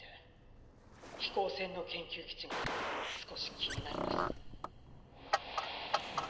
飛行船の研究基地が少し気になります。